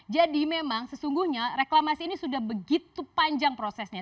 jadi memang sesungguhnya reklamasi ini sudah begitu panjang prosesnya